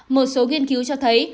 một số nghiên cứu cho thấy